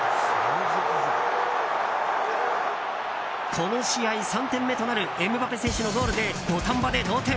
この試合３点目となるエムバペ選手のゴールで土壇場で同点。